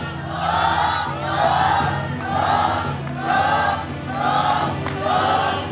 ถูก